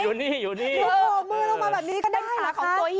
มือเรามาแบบนี้ก็ได้นะคะ